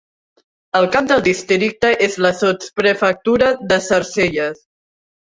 El cap del districte és la sotsprefectura de Sarcelles.